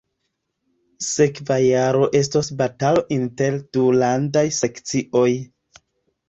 Sekva jaro estos batalo inter du landaj sekcioj